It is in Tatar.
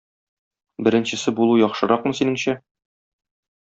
Беренчесе булу яхшыракмы синеңчә?